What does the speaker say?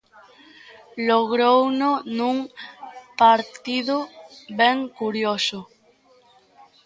Logrouno nun partido ben curioso.